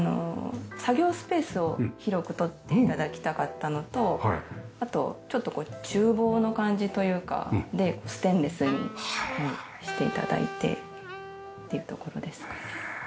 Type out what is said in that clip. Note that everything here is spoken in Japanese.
作業スペースを広くとって頂きたかったのとあとちょっと厨房の感じというかでステンレスにして頂いてっていうところですかね。